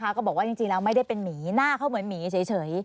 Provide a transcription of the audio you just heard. ก็บอกว่าจริงแล้วไม่ได้เป็นหมีหน้าเขาเหมือนหมีเฉย